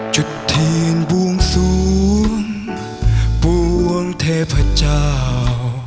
จุดเทียนบวงสวงปวงเทพเจ้า